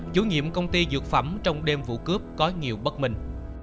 chủ nhiệm công ty dược phẩm trong đêm vụ cướp có nhiều bất minh